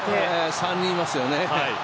３人いますよね。